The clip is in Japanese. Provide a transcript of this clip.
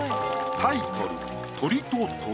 タイトル